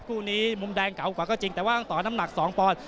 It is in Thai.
คู่นี้มุมแดงเก่ากว่าก็จริงแต่ว่างต่อน้ำหนัก๒ปอนด์